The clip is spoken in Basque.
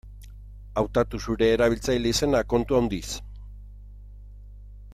Hautatu zure erabiltzaile-izena kontu handiz.